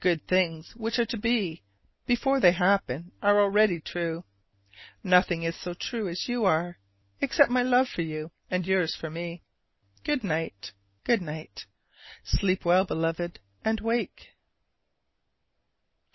Good things which are to be, before they happen are already true. Nothing is so true as you are, except my love for you and yours for me. Good night, good night. Sleep well, Beloved, and wake.